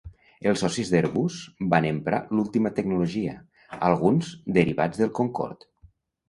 Els socis d'Airbus van emprar l'última tecnologia, alguns derivats del Concorde.